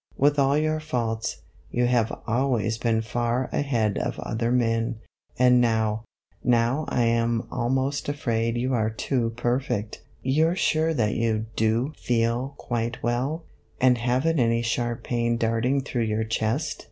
With all your faults, you have always been far ahead of other men, and now now I am almost afraid you are too perfect ; you 're sure that you do feel quite well, and have n't any sharp pain darting through your chest